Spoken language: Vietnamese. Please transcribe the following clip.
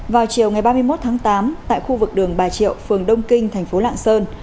vào chiều ngày ba mươi một tháng tám tại khu vực đường bà triệu phường đông kinh thành phố lạng sơn